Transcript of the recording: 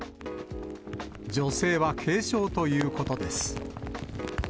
女性は軽傷ということです。